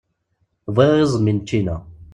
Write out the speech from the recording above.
Bɣiɣ iẓmi n ččina.